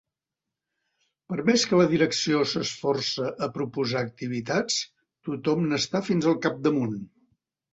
Per més que la direcció s'esforça a proposar activitats tothom n'està fins al capdamunt.